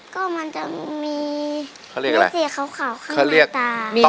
ก็มันจะมีเม็ดสีขาวข้างในตา